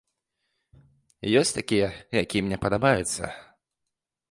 Ёсць такія, якія мне падабаюцца.